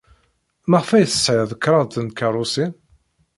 Maɣef ay tesɛid kraḍt n tkeṛṛusin?